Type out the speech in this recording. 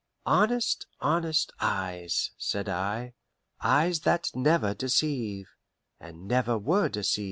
"Honest, honest eyes," said I "eyes that never deceive, and never were deceived."